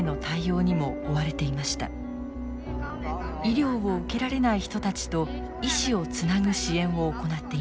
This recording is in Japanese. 医療を受けられない人たちと医師をつなぐ支援を行っています。